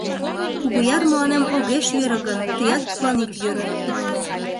«Кугуяр мыланем огеш йӧрӧ гын, тыят тудлан ит йӧрӧ» мане.